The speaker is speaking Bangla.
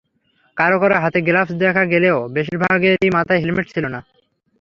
কারও কারও হাতে গ্লাভস দেখা গেলেও বেশির ভাগেরই মাথায় হেলমেট ছিল না।